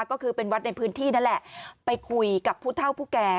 ก็คือเป็นวัดในพื้นที่นั่นแหละไปคุยกับผู้เท่าผู้แก่